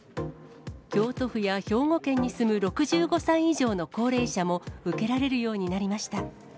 京都府や兵庫県に住む６５歳以上の高齢者も、受けられるようになりました。